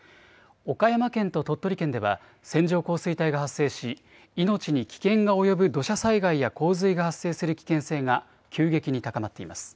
岡山県と鳥取県では線状降水帯が発生し、命に危険が及ぶ土砂災害や洪水が発生する危険性が急激に高まっています。